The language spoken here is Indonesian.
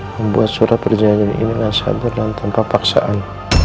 membuat surat perjanjian ini dengan seadat dan tanpa paksaan